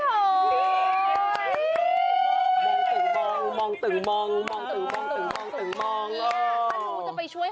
มองตึงมองมองตึงมองมองตึงมองตึงมองตึงมอง